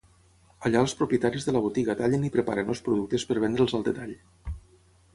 Allà els propietaris de la botiga tallen i preparen els productes per vendre'ls al detall.